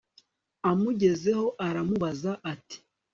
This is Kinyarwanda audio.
amugezeho aramubaza ati